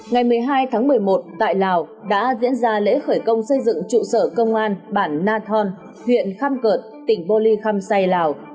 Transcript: ngày một mươi hai một mươi một tại lào đã diễn ra lễ khởi công xây dựng trụ sở công an bản nathan huyện kham kert tỉnh boli kham say lào